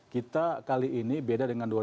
kita kali ini beda dengan dua ribu empat belas ya